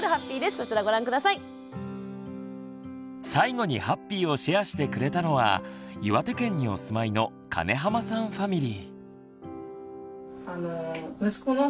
最後にハッピーをシェアしてくれたのは岩手県にお住まいの金濱さんファミリー。